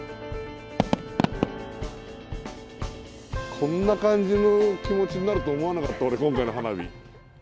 こんな感じの気持ちになると思わなかった、俺、今回の花火。